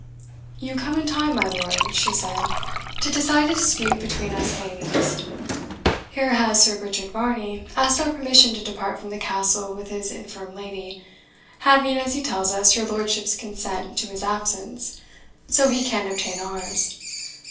"You come in time, my lord," she said, "to decide a dispute between us ladies. Here has Sir Richard Varney asked our permission to depart from the Castle with his infirm lady, having, as he tells us, your lordship's consent to his absence, so he can obtain ours.